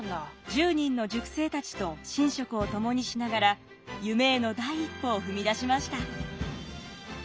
１０人の塾生たちと寝食を共にしながら夢への第一歩を踏み出しました。